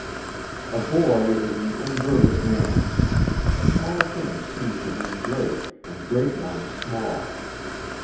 A boy is an inverted man. Small things seem to him great and great ones small.